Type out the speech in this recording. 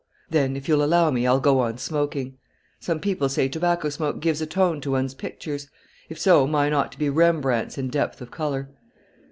Then, if you'll allow me, I'll go on smoking. Some people say tobacco smoke gives a tone to one's pictures. If so, mine ought to be Rembrandts in depth of colour."